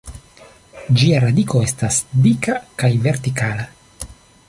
Ĝia radiko estas dika kaj vertikala.